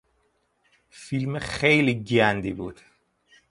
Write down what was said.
فیلم خیلی گندی بود.